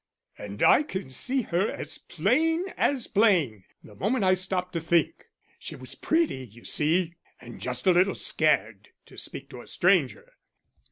And I can see her as plain as plain the moment I stop to think. She was pretty, you see, and just a little scared to speak to a stranger.